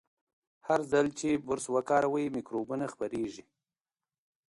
هر ځل چې برس وکاروئ، میکروبونه خپریږي.